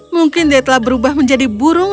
mungkin dia telah berubah menjadi burung